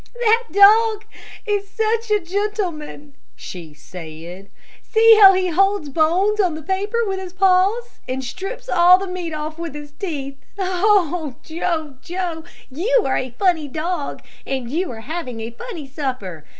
"That dog is a gentleman," she said; "see how he holds bones on the paper with his paws, and strips the meat off with his teeth. Oh, Joe, Joe, you are a funny dog! And you are having a funny supper.